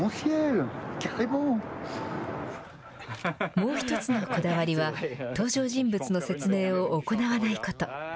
もう一つのこだわりは、登場人物の説明を行わないこと。